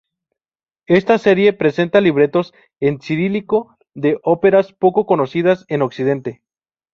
Esta serie presenta libretos en cirílico de óperas poco conocidas en Occidente.